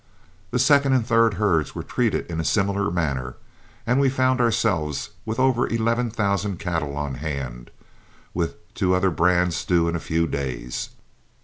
The second and third herds were treated in a similar manner, when we found ourselves with over eleven thousand cattle on hand, with two other brands due in a few days.